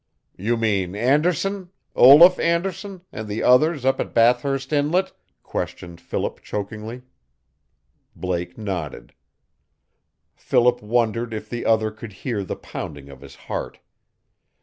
"You mean Anderson Olaf Anderson and the others up at Bathurst Inlet?" questioned Philip chokingly. Blake nodded. Philip wondered if the other could hear the pounding of his heart.